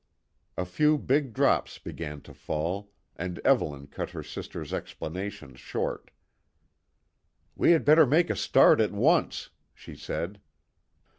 A few big drops began to fall, and Evelyn cut her sister's explanations short. "We had better make a start at once," she said.